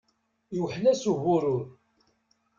Iwḥel-as uburur.